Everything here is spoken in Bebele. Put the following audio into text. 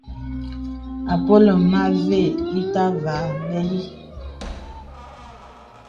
Àpōlə mə avə ìtâvà bɛli.